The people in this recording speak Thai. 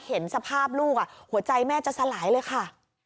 เห็นสภาพลูกหัวใจแม่จะสลายเลยค่ะ